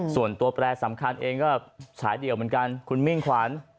ส่วนตัวแปรสำคัญเองก็ฉายเดี่ยวเหมือนกันคุณมิ่งขวัญ